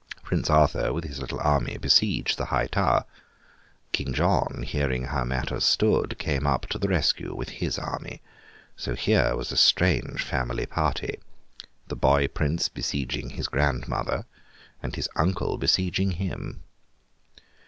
Prince Arthur with his little army besieged the high tower. King John, hearing how matters stood, came up to the rescue, with his army. So here was a strange family party! The boy Prince besieging his grandmother, and his uncle besieging him!